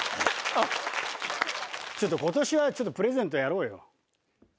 ちょっと今年はプレゼントやろうよ。